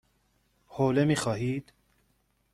حوله می خواهید؟